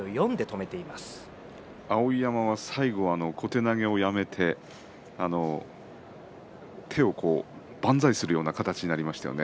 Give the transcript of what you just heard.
碧山は最後は小手投げをやめて手を万歳するような形になりましたね。